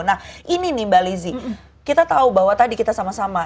nah ini nih mbak lizzie kita tahu bahwa tadi kita sama sama